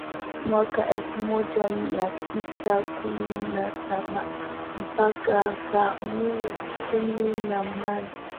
mwaka elfu moja mia tisa kumi na sabaMpaka karne ya kumi na nane